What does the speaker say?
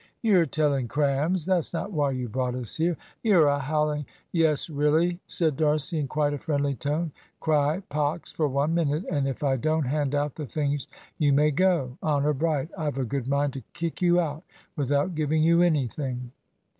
"You're telling crams; that's not why you brought us here. You're a howling " "Yes, really," said D'Arcy, in quite a friendly tone, "Cry pax for one minute, and if I don't hand out the things you may go; honour bright. I've a good mind to kick you out without giving you anything."